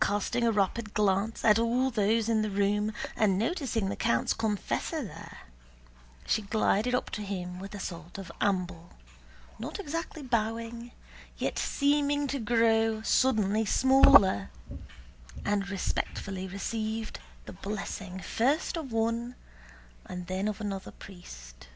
Casting a rapid glance at all those in the room and noticing the count's confessor there, she glided up to him with a sort of amble, not exactly bowing yet seeming to grow suddenly smaller, and respectfully received the blessing first of one and then of another priest.